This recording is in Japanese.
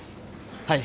はい。